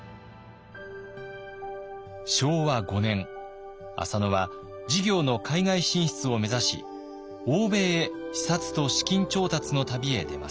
昭和５年浅野は事業の海外進出を目指し欧米へ視察と資金調達の旅へ出ます。